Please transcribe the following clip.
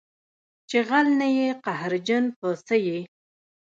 چې غل نه یې قهرجن په څه یې